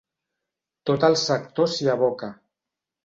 Tot el sector s'hi aboca.